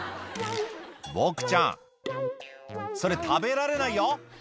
ボクちゃんそれ食べられないよ